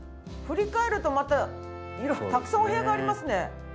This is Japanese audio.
振り返るとまたたくさんお部屋がありますね。